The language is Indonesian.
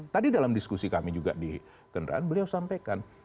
dan di diskusi kami juga di kendaraan beliau sampaikan